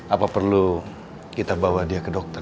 apa perlu kita bawa dia ke dokter